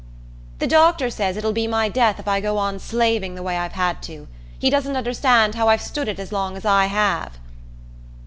"The doctor says it'll be my death if I go on slaving the way I've had to. He doesn't understand how I've stood it as long as I have."